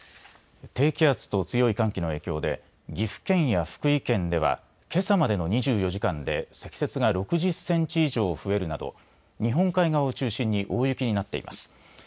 低気圧と強い寒気の影響で岐阜県や福井県ではけさまでの２４時間で積雪が６０センチ以上増えるなど日本海側を中心に大雪になっています。